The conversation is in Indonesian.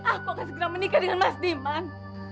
aku akan segera menikah dengan mas diman